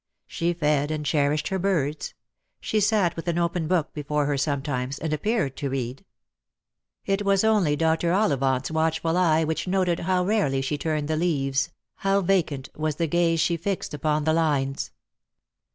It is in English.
She fed and cherished her birds. She sat with an open book before her sometimes, and appeared to read. It was only Dr. Ollivant's watchful eye which noted how rarely she turned the leaves, how vacant was the gaze she fixed upon the lines.